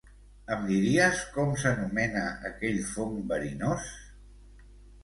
Em diries com s'anomena aquell fong verinós?